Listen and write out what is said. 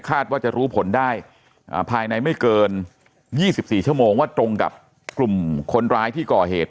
ว่าจะรู้ผลได้ภายในไม่เกิน๒๔ชั่วโมงว่าตรงกับกลุ่มคนร้ายที่ก่อเหตุ